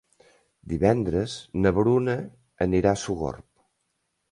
Divendres na Bruna anirà a Sogorb.